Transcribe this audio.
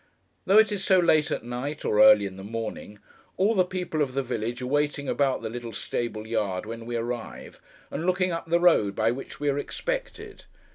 Though it is so late at night, or early in the morning, all the people of the village are waiting about the little stable yard when we arrive, and looking up the road by which we are expected.